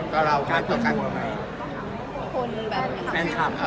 ถ้าเราการตรวจการบอกอะไร